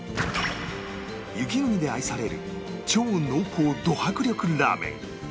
雪国で愛される超濃厚ど迫力ラーメン